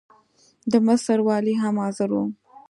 د مصر والي هم حاضر وو.